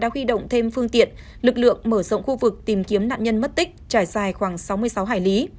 huy động thêm phương tiện lực lượng mở rộng khu vực tìm kiếm nạn nhân mất tích trải dài khoảng sáu mươi sáu hải lý